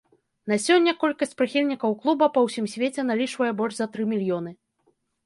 На сёння колькасць прыхільнікаў клуба па ўсім свеце налічвае больш за тры мільёны.